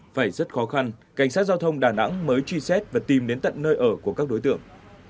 phải rất khó khăn cảnh sát giao thông đà nẵng mới truy xét và tìm đến tận nơi ở của các đối tượng